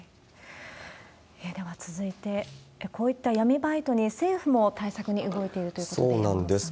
では続いて、こういった闇バイトに、政府も対策に動いているということなんでそうなんです。